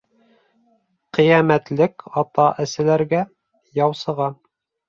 Ҡиәмәтлек ата-әсәләргә, яусыға